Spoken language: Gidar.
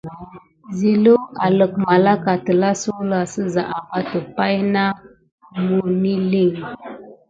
Zilelou alik malaka tila zula sisa aɓeti pay na munilin.